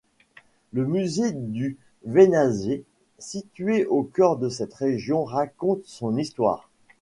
Le musée du Veinazès, situé au cœur de cette région, raconte son histoire.